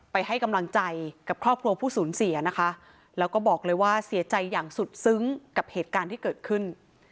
ให้กำลังใจกับครอบครัวผู้สูญเสียนะคะแล้วก็บอกเลยว่าเสียใจอย่างสุดซึ้งกับเหตุการณ์ที่เกิดขึ้น